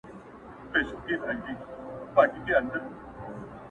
گراني چي د ټول كلي ملكه سې,